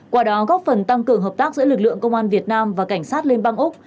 qua đó góp phần tăng cường hợp tác giữa lực lượng công an việt nam và cảnh sát liên bang úc